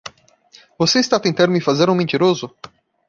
Você está tentando me fazer um mentiroso?